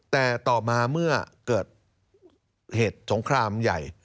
แต่ต่อมาเมื่อเกิดเหตุสงครามใหญ่